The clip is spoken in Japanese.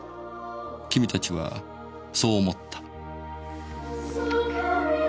君たちはそう思った。